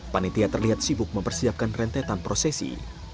panitia terlihat sibuk mempersiapkan rentetan prosesi